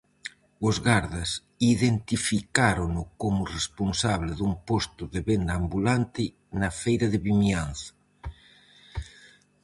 Os gardas identificárono como responsable dun posto de venda ambulante na feira de Vimianzo.